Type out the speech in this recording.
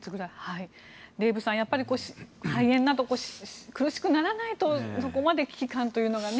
デーブさん、肺炎など苦しくならないとそこまで危機感というのがね。